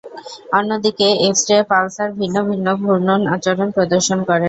অন্যদিকে, X ray pulsar ভিন্ন ভিন্ন ঘূর্ণন আচরণ প্রদর্শন করে।